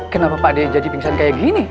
kenapa pak dia jadi pingsan kayak gini